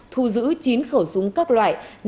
thu giữ chín khẩu súng các loại